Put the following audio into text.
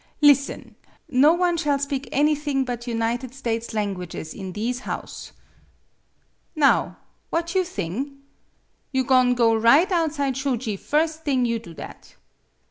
"Listen! No one shall speak anything but United States' lan guages in these house! Now! What you thing? You go'n' go right outside shoji firs' thing you do that!